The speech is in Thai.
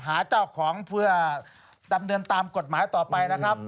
หาเจ้าของเพื่อดำเนินตามกฎหมายต่อไปนะครับ